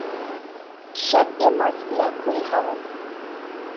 shat'e masala khul hawan